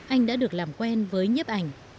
anh đã được làm quen với nhiếp ảnh